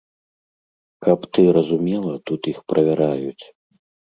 Каб ты разумела, тут іх правяраюць.